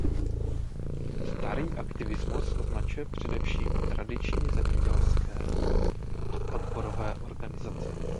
Starý aktivismus označuje především tradiční zemědělské a odborové organizace.